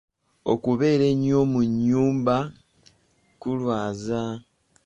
Okubeera ennyo mu nnyumba kulwaza.